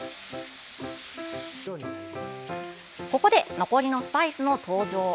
ここで残りのスパイスの登場。